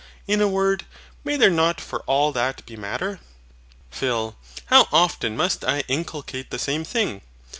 In a word, may there not for all that be MATTER? PHIL. How often must I inculcate the same thing?